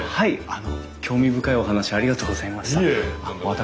あの興味深いお話ありがとうございました。